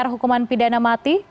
hukuman pidana mati